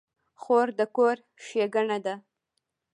خور د کور ښېګڼه ده.